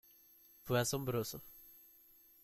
Fue asombroso.